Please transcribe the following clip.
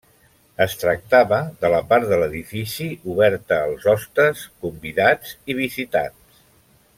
Es tractava de la part de l’edifici oberta als hostes, convidats i visitants.